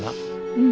うん。